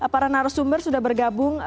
para narasumber sudah bergabung